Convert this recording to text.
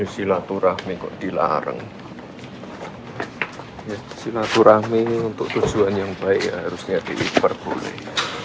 silaturahmi kok dilarang silaturahmi untuk tujuan yang baik ya harusnya diperboleh